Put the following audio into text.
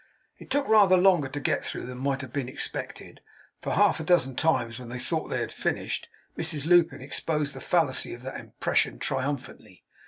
It took rather longer to get through than might have been expected; for, half a dozen times, when they thought they had finished, Mrs Lupin exposed the fallacy of that impression triumphantly.